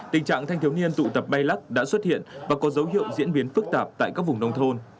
tình trạng thanh thiếu niên tụ tập bay lắc đã xuất hiện và có dấu hiệu diễn biến phức tạp tại các vùng nông thôn